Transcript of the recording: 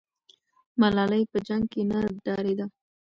ملالۍ په جنګ کې نه ډارېده.